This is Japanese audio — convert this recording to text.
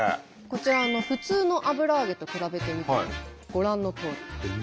こちら普通の油揚げと比べてみてもご覧のとおり。